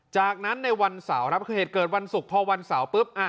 จากนั้นในวันเสาร์ครับคือเหตุเกิดวันศุกร์พอวันเสาร์ปุ๊บ